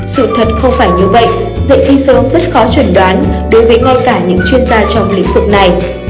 sự thật không phải như vậy dạy thi sơn rất khó chuẩn đoán đối với ngay cả những chuyên gia trong lĩnh vực này